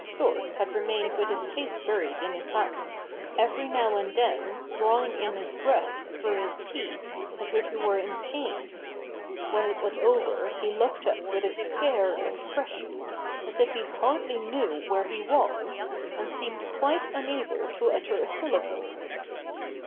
Storks had remained with his face buried in his hands, every now and then drawing in his breath through his teeth, as if he were in pain. When it was over he looked up with a scared expression, as if he hardly knew where he was, and seemed quite unable to utter a syllable.